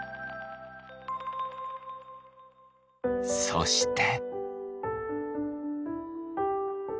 そして。